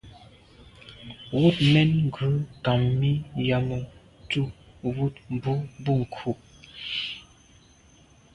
Wut mèn ghù nkam mi yàme tu, wut, mbu boa nku.